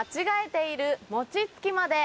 まで